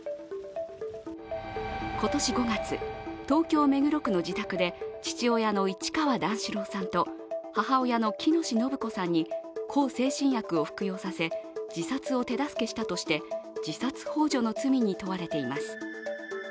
今年５月、東京・目黒区の自宅で父親の市川段四郎さんと母親の喜熨斗延子さんに向精神薬を服用させ自殺を手助けしたとして自殺ほう助の罪に問われています。